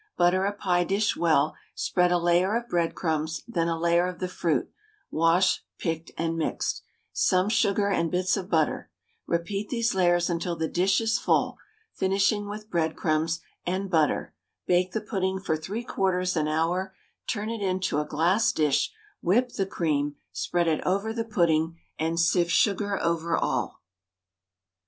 Butter a pie dish well, spread a layer of breadcrumbs, then a layer of the fruit, washed, picked, and mixed, some sugar and bits of butter; repeat these layers until the dish is full, finishing with breadcrumbs and butter; bake the pudding for 3/4 an hour, turn it into a glass dish, whip the cream, spread it over the pudding, and sift sugar over all.